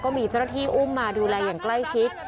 มีเจ้าหน้าที่อุ้มมาดูแลอย่างใกล้ชิด